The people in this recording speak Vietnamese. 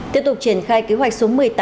tiếp tục triển khai kế hoạch số một mươi tám